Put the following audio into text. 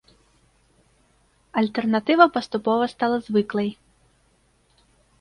Альтэрнатыва паступова стала звыклай.